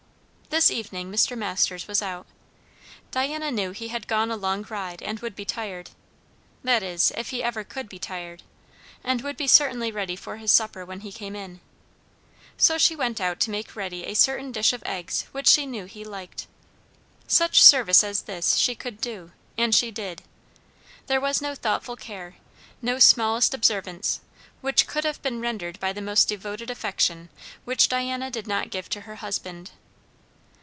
This evening Mr. Masters was out. Diana knew he had gone a long ride and would be tired, that is, if he ever could be tired, and would be certainly ready for his supper when he came in. So she went out to make ready a certain dish of eggs which she knew he liked. Such service as this she could do, and she did. There was no thoughtful care, no smallest observance, which could have been rendered by the most devoted affection, which Diana did not give to her husband.